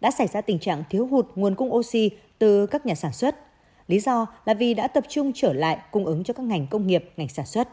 đã xảy ra tình trạng thiếu hụt nguồn cung oxy từ các nhà sản xuất lý do là vì đã tập trung trở lại cung ứng cho các ngành công nghiệp ngành sản xuất